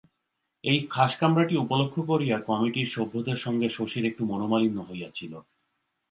এই খাসকামরাটি উপলক্ষ করিয়া কমিটির সভ্যদের সঙ্গে শশীর একটু মনোমালিন্য হইয়াছিল।